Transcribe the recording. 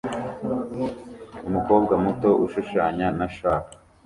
Umukobwa muto ushushanya na chalk